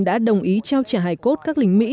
đã đồng ý trao trả hài cốt các lính mỹ